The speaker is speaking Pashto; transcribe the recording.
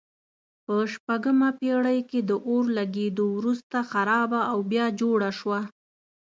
په شپږمه پېړۍ کې د اور لګېدو وروسته خرابه او بیا جوړه شوه.